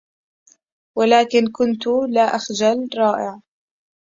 ولكنْ كنت – لا أخجل – رائع